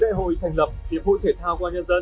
đại hội thành lập hiệp hội thể thao công an nhân dân